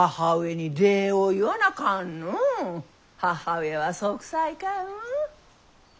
母上は息災かうん？